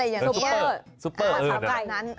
ซุปเปอร์ซุปเปอร์เออนั้น